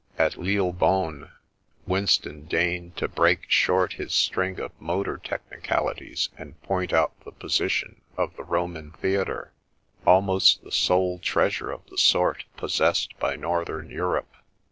At Lille bonne, Winston deigned to break short his string of motor technicalities and point out the position of the Roman theatre, almost the sole treasure of the sort possessed by Northern Europe.